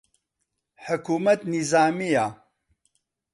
حکوومەت نیزامییە